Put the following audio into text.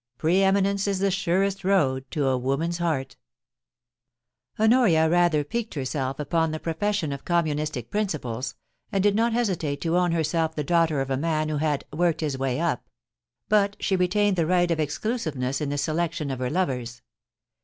Pre eminence is the surest road to a woman's heart Honoria rather piqued herself upon the profession of com FASCINATION. 239 munistic principles, and did not hesitate to own herself the daughter of a man who had ^ worked his way up ;' but she retained the right of exclusiveness in the selection of her lovers.